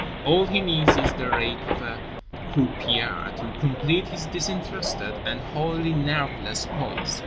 All he needs is the rake of a croupier to complete his disinterested and wholly nerveless poise.